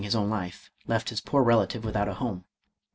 his own life, left his poor relative without a home.